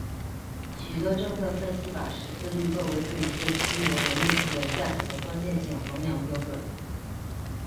许多政策分析把识字率作为对一个区域的人力资本价值的关键性衡量标准。